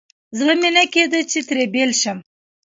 زړه مې نه کېده چې ترې بېل شم.